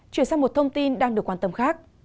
chuyển sang một thông tin đang được quan tâm khác